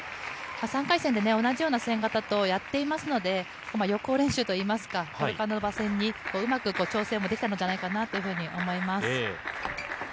３回戦で同じような戦型とやっていますので、予行練習といいますか、ポルカノバ戦にうまく調整もできたんじゃないかなと思います。